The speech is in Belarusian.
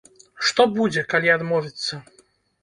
Што будзе, калі адмовіцца?